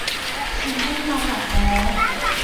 ฉันต้องนอนหลับแล้ว